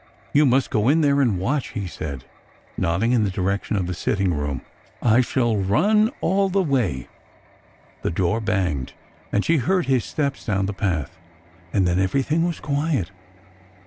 " You must go in there and watch," he said, nodding in the direction of the sitting room. " I shall run all the way." The door banged, and she heard his steps down the path, and then everything was quiet.